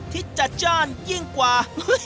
ที่จัดจ้านยิ่งกว่า